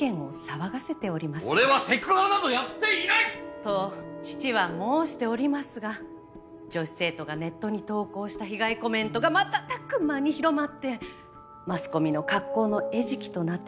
俺はセクハラなどやっていない！と父は申しておりますが女子生徒がネットに投稿した被害コメントが瞬く間に広まってマスコミの格好の餌食となってしまっています。